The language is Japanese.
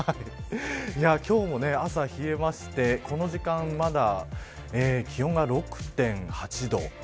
今日も朝冷えましてこの時間まだ気温が６．８度。